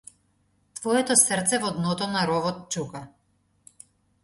Твоето срце во дното на ровот чука.